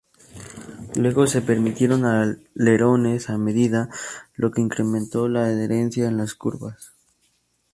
Luego se permitieron alerones a medida, lo que incrementó la adherencia en las curvas.